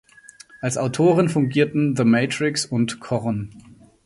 Als Autoren fungierten The Matrix und Korn.